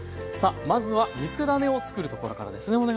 さあまずは肉ダネを作るところからですね。